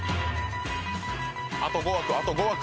あと５枠あと５枠。